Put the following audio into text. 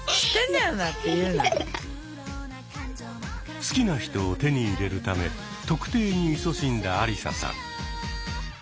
好きな人を手に入れるため「特定」にいそしんだアリサさん。